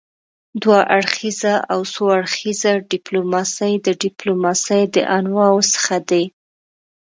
دوه اړخیزه او څو اړخیزه ډيپلوماسي د ډيپلوماسي د انواعو څخه دي.